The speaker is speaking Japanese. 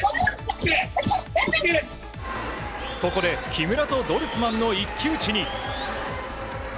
ここで木村とドルスマンの一騎打ちに。